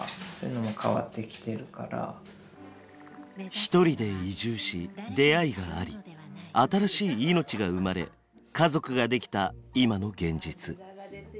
一人で移住し出会いがあり新しい命が生まれ家族ができた今の現実。